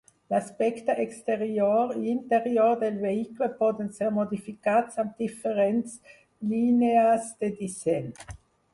L'aspecte exterior i interior del vehicle poden ser modificats amb diferents línies de disseny.